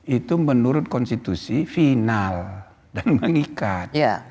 itu menurut konstitusi final dan mengikat